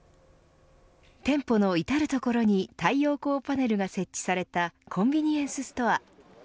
店舗の至る所に太陽光パネルが設置されたコンビニエンスストア。